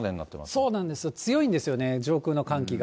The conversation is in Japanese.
そうなんです、強いんですよね、上空の寒気が。